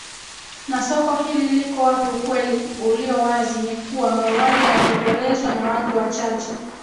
na soko hili liko wapiUkweli uliowazi ni kuwa mauaji yanatekelezwa na watu wachache